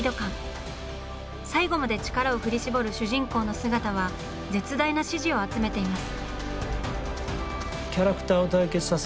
最後まで力を振り絞る主人公の姿は絶大な支持を集めています。